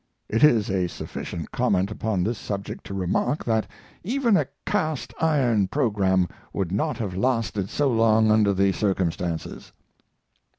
It is a sufficient comment upon this subject to remark that even a cast iron program would not have lasted so long under the circumstances.